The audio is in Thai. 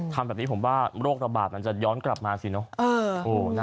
ทำแบบนี้ผมว่าโรคระบาดมันจะย้อนกลับมาสิเนอะ